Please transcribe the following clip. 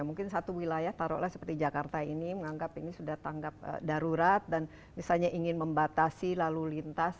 mungkin satu wilayah taruhlah seperti jakarta ini menganggap ini sudah tanggap darurat dan misalnya ingin membatasi lalu lintas